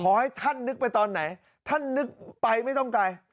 ให้ท่านนึกไปตอนไหนท่านนึกไปไม่ต้องไกล